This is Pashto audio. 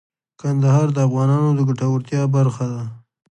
کندهار د افغانانو د ګټورتیا برخه ده.